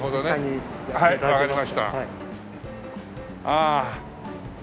ああ。